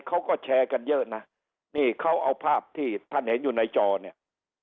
เขาก็แชร์กันเยอะนะนี่เขาเอาภาพที่ท่านเห็นอยู่ในจอเนี่ย